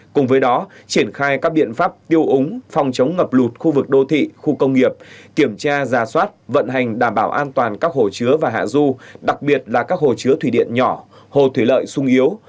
cùng với đó triển khai các biện pháp tiêu úng phòng chống ngập lụt khu vực đô thị khu công nghiệp kiểm tra giả soát vận hành đảm bảo an toàn các hồ chứa và hạ du đặc biệt là các hồ chứa thủy điện nhỏ hồ thủy lợi sung yếu